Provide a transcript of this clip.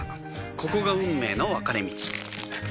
ここが運命の分かれ道